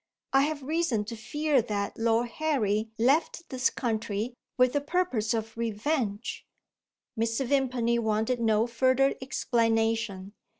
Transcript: "I have reason to fear that Lord Harry left this country, with a purpose of revenge " Mr. Vimpany wanted no further explanation.